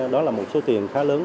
đó là một số tiền khá lớn